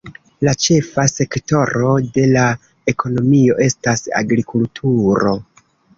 La ĉefa sektoro de la ekonomio estas agrikulturo.